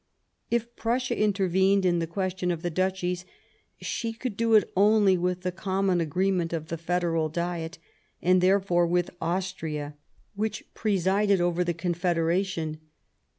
If Prussia intervened in the question of the Duchies, she could do it only with the common agreement of the Federal Diet, and therefore with Austria, which presided over the Confederation.